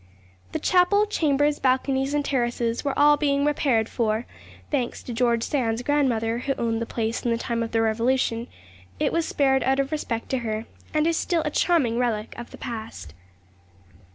The chapel, chambers, balconies, and terraces were all being repaired; for, thanks to George Sand's grandmother, who owned the place in the time of the Revolution, it was spared out of respect to her, and is still a charming relic of the past.